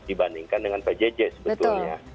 dibandingkan dengan pjj sebetulnya